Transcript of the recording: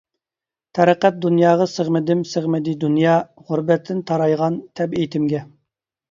تەرىقەت دۇنياغا سىغمىدىم سىغمىدى دۇنيا، غۇربەتتىن تارايغان تەبىئىتىمگە.